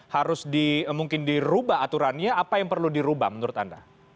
harus mungkin dirubah aturannya apa yang perlu dirubah menurut anda